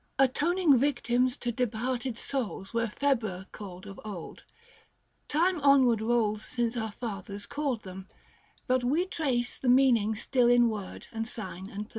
Atoning victims to departed souls Were Februa called of old. Time onward rolls Since so our fathers called them ; but we trace The meaning still in word and sign and place.